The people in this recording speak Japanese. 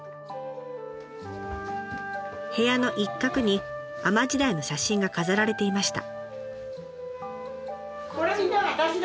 部屋の一角に海女時代の写真が飾られていました。